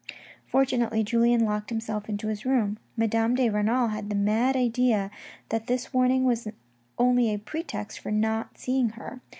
Fortunately, Julien locked himself into his room. Madame de Renal had the mad idea that this warning was only a pre text for not seeing her.